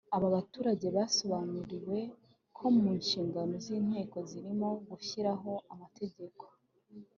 Aba baturage basobanuriwe ko mu nshingano z’Inteko zirimo gushyiraho amategeko